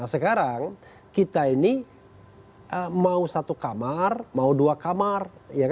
nah sekarang kita ini mau satu kamar mau dua kamar